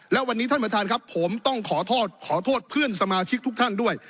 และวันนี้ท่านประธานครับผมต้องขอโทษขอโทษเพื่อนสมาชิกทุกท่านด้วย